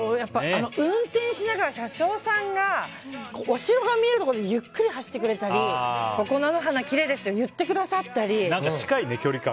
運転しながら、車掌さんがお城が見えるところでゆっくり走ってくれたりここ、菜の花きれいですって言ってくださったり。